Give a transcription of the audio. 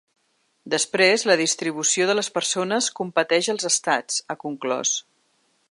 Després, la distribució de les persones competeix als estats, ha conclòs.